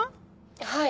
はい。